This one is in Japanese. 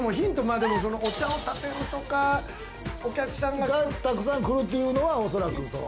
お茶をたてるとか、お客さんがたくさん来るというのは、おそらくそう。